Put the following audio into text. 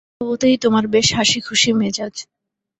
স্বভাবতই তোমার বেশ হাসিখুশী মেজাজ।